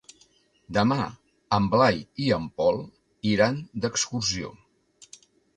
Demà en Blai i en Pol iran d'excursió.